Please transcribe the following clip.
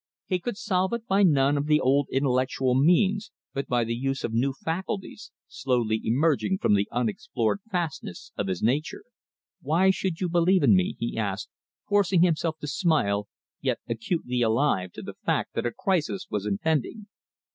He could solve it by none of the old intellectual means, but by the use of new faculties, slowly emerging from the unexplored fastnesses of his nature. "Why should you believe in me?" he asked, forcing himself to smile, yet acutely alive to the fact that a crisis was impending.